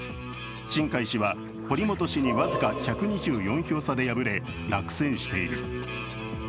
新開氏は、堀本氏に僅か１２４票差で敗れ、落選している。